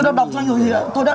quay quay hai cái mũi ra